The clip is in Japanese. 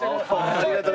ありがとう。